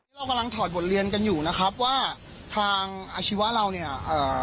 เรากำลังถอดบทเรียนกันอยู่นะครับว่าทางอาชีวะเราเนี่ยเอ่อ